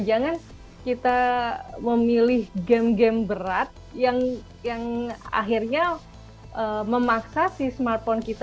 jangan kita memilih game game berat yang akhirnya memaksa si smartphone kita